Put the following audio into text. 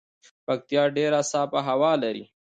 پکتيا ډیره صافه هوا لري